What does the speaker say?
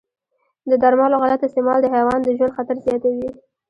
د درملو غلط استعمال د حیوان د ژوند خطر زیاتوي.